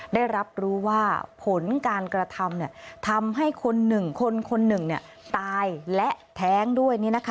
ได้รับรู้ว่าผลการกระทำทำให้คนหนึ่งคนคนหนึ่งตายและแท้งด้วย